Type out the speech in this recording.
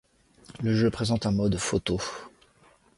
Le jeu présente un mode photo.